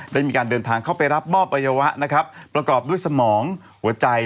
ได้มีการเดินทางเข้าไปรับมอบอัยวะนะครับประกอบด้วยสมองหัวใจ